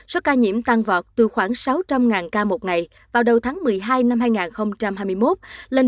số ca nhiễm tăng vọt từ khoảng sáu trăm linh ca một ngày vào đầu tháng một mươi hai năm hai nghìn hai mươi một lên